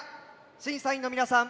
審査員の皆さん